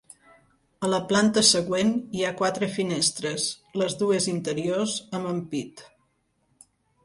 A la planta següent, hi ha quatre finestres, les dues interiors amb ampit.